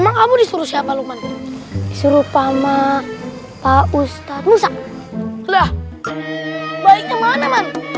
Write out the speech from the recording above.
emang kamu disuruh siapa luman disuruh pamah pak ustaz musa elah baiknya mana man